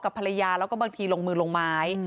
ภรรยาแล้วก็บางทีลงมือลงไม้